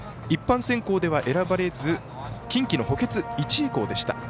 一般選考では選ばれず近畿の補欠１位校。